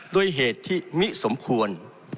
ด้วยเหตุที่มิสมควร